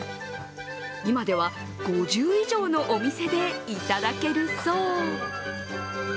今では５０以上のお店でいただけるそう。